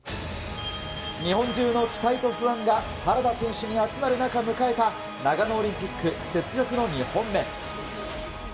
日本中の期待と不安が原田選手に集まる中、迎えた長野オリンピック雪辱の２本目。